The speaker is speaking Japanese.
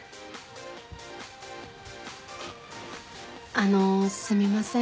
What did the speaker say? あのすみません。